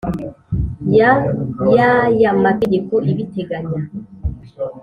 ya y aya mategeko ibiteganya